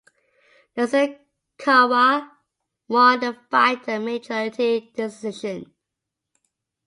Nasukawa won the fight by majority decision.